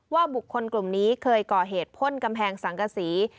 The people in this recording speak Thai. บุคคลกลุ่มนี้เคยก่อเหตุพ่นกำแพงสังกษี